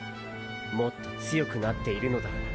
もっと強くなっているのだから。